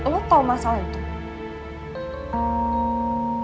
lo tau masalah itu